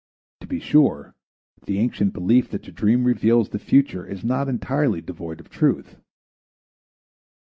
To be sure the ancient belief that the dream reveals the future is not entirely devoid of truth.